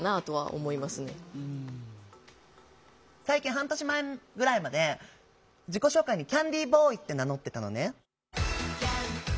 半年前ぐらいまで自己紹介に「キャンディーボーイ」って名乗ってたのね。